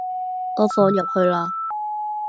我放入去喇